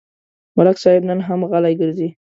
ملک صاحب نن هم غلی ګرځي.